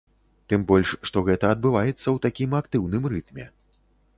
Тым больш, што гэта адбываецца ў такім актыўным рытме.